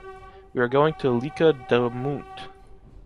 We are going to Lliçà d’Amunt.